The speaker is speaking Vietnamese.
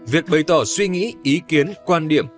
việc bày tỏ suy nghĩ ý kiến quan điểm